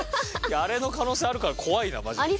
あれの可能性あるから怖いなマジで。